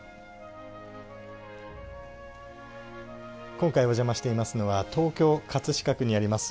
今回お邪魔していますのは東京・飾区にあります